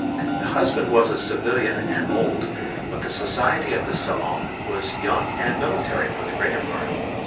The husband was a civilian and old, but the society of the salon was young and military for the greater part.